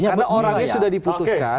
karena orangnya sudah diputuskan